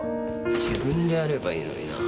自分でやればいいのになぁ。